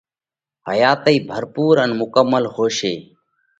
حياتئِي ڀرپُور ان مڪمل هوشي۔